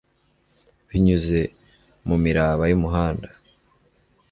binyuze mumiraba yumuhanda